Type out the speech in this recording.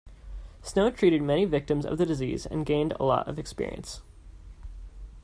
Snow treated many victims of the disease and gained a lot of experience.